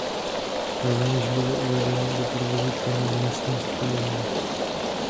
Rovněž bylo uvedeno do provozu kino v místní Sokolovně.